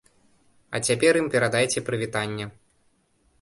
А цяпер ім перадайце прывітанне.